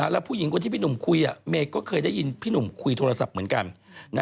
แล้วผู้หญิงคนที่พี่หนุ่มคุยเมย์ก็เคยได้ยินพี่หนุ่มคุยโทรศัพท์เหมือนกัน